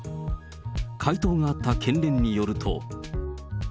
回答があった県連によると。